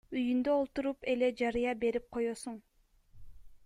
Үйүндө олтуруп эле жарыя берип коесуң.